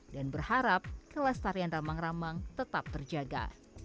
dan berharap kelas tarian ramang ramang tetap terjaga